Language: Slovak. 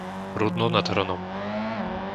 Rudno nad Hronom